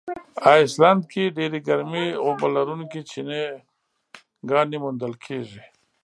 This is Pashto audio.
آیسلنډ کې ډېرې ګرمي اوبه لرونکي چینهګانې موندل کیږي.